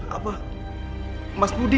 apa mas budi